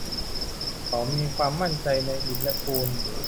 เขามีความมั่นใจในอิฐและปูน